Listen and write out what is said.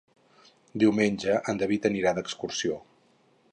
Diumenge en David anirà d'excursió.